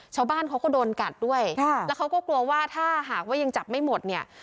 ชาวบ้านเขาก็โดนกัดด้วยค่ะแล้วเขาก็กลัวว่าถ้าหากว่ายังจับไม่หมดเนี่ย